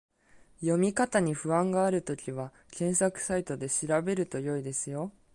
読み方に不安があるときは、検索サイトで調べると良いですよ